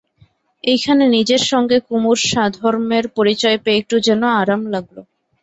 এইখানে নিজের সঙ্গে কুমুর সাধর্ম্যের পরিচয় পেয়ে একটু যেন আরাম লাগল।